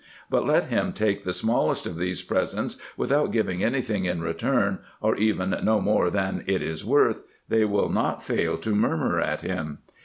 But let him take the smallest of these presents without giving any thing in return, or even no more than it is worth, they will not fail to murmur at him.